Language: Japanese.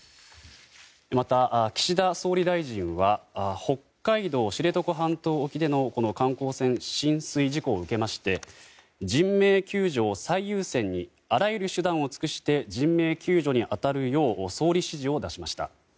また、岸田総理大臣は北海道知床半島沖でのこの観光船浸水事故を受けまして人命救助を最優先にあらゆる手段を尽くして人命救助に当たるよう総理指示を出しました。